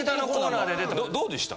どうでした？